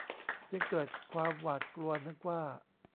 จึงเกิดความหวาดกลัวนึกว่า